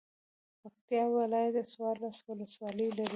پکتيا ولايت څوارلس ولسوالۍ لری.